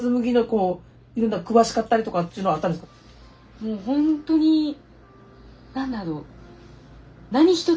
もうほんとに何だろう。